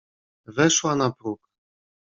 "Weszła na próg."